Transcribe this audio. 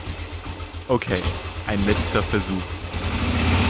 Okay, ein letzter Versuch!